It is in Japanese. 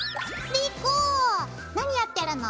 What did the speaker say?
莉子何やってるの？